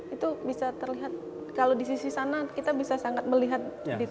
itu bisa terlihat kalau di sisi sana kita bisa sangat melihat